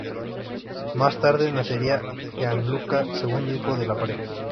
Más tarde nacería Gianluca, segundo hijo de la pareja.